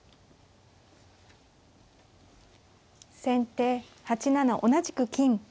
先手８七同じく金。